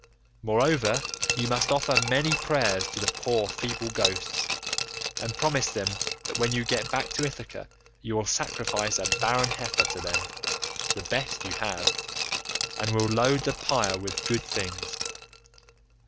Moreover you must offer many prayers to the poor feeble ghosts, and promise them that when you get back to Ithaca you will sacrifice a barren heifer to them, the best you have, and will load the pyre with good things.